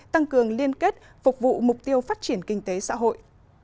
tăng cường liên kết phục vụ mục tiêu phát triển kinh tế xã hội